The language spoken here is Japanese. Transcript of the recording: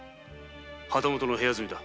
旗本の部屋住みだ。